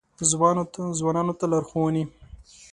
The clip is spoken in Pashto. ځوانانو ته لارښوونې: